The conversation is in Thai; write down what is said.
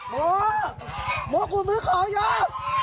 โม่โม่โม่ขูดมื้อของเยอะ